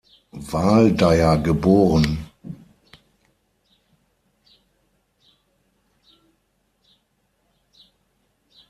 Waldeyer geboren.